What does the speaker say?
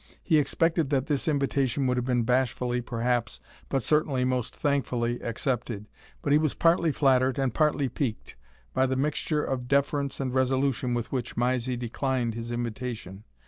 He expected that this invitation would have been bashfully, perhaps, but certainly most thankfully, accepted; but he was partly flattered, and partly piqued, by the mixture of deference and resolution with which Mysie declined his invitation.